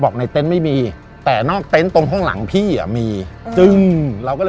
ในเต็นต์ไม่มีแต่นอกเต็นต์ตรงห้องหลังพี่อ่ะมีจึงเราก็เลย